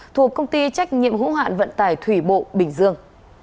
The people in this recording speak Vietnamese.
thuộc công ty trách nhiệm hữu hạn vận tải thủy bộ bình dương